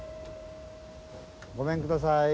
ごめんください。